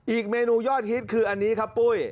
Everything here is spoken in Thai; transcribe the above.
อีกเมนูยอดฮิตคืออันนี้ครับปุ้ย